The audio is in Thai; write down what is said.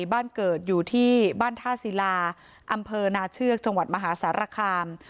บ้านเกิดอยู่ที่บ้านท่าศิลาอำเภอนาเชือกจังหวัดมหาสารคาม